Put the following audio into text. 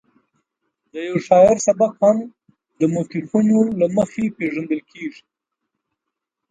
د یو شاعر سبک هم د موتیفونو له مخې پېژندل کېږي.